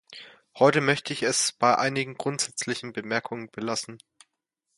Heute möchte ich es bei einigen grundsätzlichen Bemerkungen belassen.